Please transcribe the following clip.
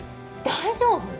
大丈夫？